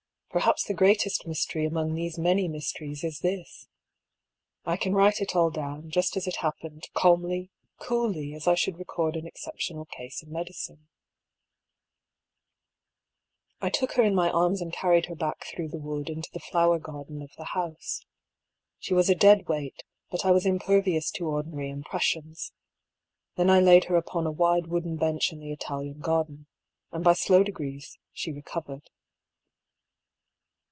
Perhaps the greatest mystery among these many mysteries is this — I can write it all down, just as it happened, calmly, coolly, as I should record an excep tional case in medicine. I took her in my arms and carried her back through the wood into the flower garden of the house. She was a dead weight, but I was impervious to ordinary im pressions. Then I laid her upon a wide wooden bench in the Italian garden, and by slow degrees she recov ered.